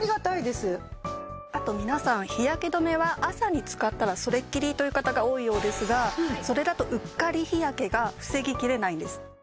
あと皆さん日焼け止めは朝に使ったらそれっきりという方が多いようですがそれだとうっかり日焼けが防ぎきれないんです。